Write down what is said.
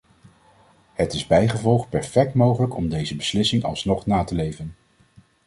Het is bijgevolg perfect mogelijk om deze beslissing alsnog na te leven.